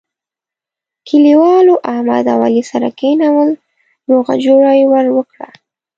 کلیوالو احمد او علي سره کېنول روغه جوړه یې ور وکړه.